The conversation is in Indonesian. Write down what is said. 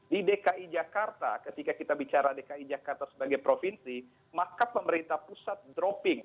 di dki jakarta ketika kita bicara dki jakarta sebagai provinsi maka pemerintah pusat dropping